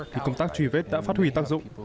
thì công tác truy vết đã phát huy tác dụng